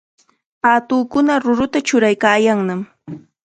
Paatukuna ruruta churaykaayannam.